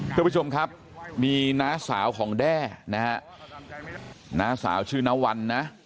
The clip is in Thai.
คุณผู้ชมครับมีน้าสาวของแด้นะฮะน้าสาวชื่อน้าวันนะ